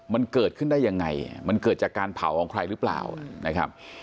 มันเกิดขึ้นได้ยังไงมันเกิดจากการเผาของใครหรือเปล่านะครับ